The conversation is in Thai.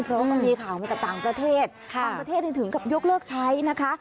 เพราะว่ามันมีข่าวมาจากต่างประเทศต่างประเทศถึงกับยกเลิกใช้นะคะ